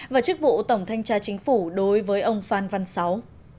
và chức vụ tổng thanh tra chính phủ đối với ông phan văn sáu